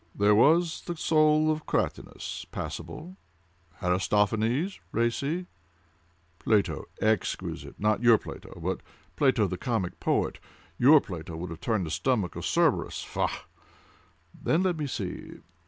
"There was the soul of Cratinus—passable: Aristophanes—racy: Plato—exquisite—not your Plato, but Plato the comic poet; your Plato would have turned the stomach of Cerberus—faugh! Then let me see!